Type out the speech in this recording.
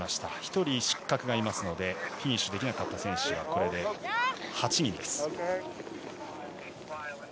１人失格がいますのでフィニッシュできなかった選手はこれで８人です。